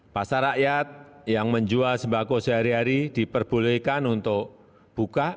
pasar rakyat yang menjual sembako sehari hari diperbolehkan untuk buka